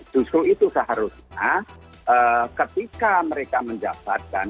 justru itu seharusnya ketika mereka menjabatkan